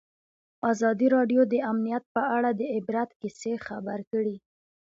ازادي راډیو د امنیت په اړه د عبرت کیسې خبر کړي.